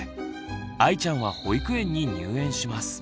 あいちゃんは保育園に入園します。